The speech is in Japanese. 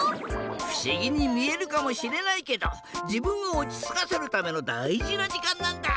ふしぎにみえるかもしれないけどじぶんをおちつかせるためのだいじなじかんなんだ。